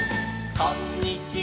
「こんにちは」